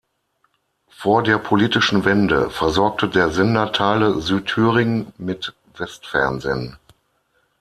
Vor der politischen Wende versorgte der Sender Teile Südthüringen mit Westfernsehen.